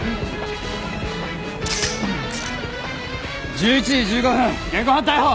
１１時１５分現行犯逮捕。